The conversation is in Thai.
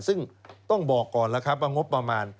ซึ่งต้องบอกก่อนแล้วครับว่างบประมาณ